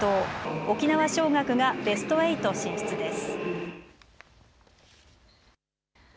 沖縄尚学がベスト８進出です。